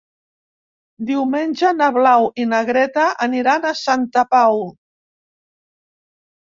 Diumenge na Blau i na Greta aniran a Santa Pau.